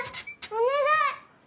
お願い！